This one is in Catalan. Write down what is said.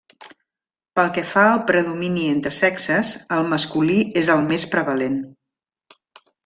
Pel que fa al predomini entre sexes, el masculí és el més prevalent.